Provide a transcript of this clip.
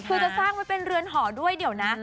คือจะสร้างไว้เป็นเรือนหอด้วยเดี๋ยวนะ